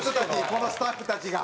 このスタッフたちが。